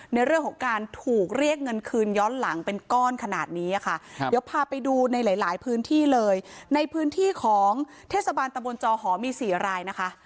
เดี๋ยวพาไปดูในหลายพื้นที่เลยในพื้นที่ของเทศบาลตะบนจอหอมี๔รายนะคะ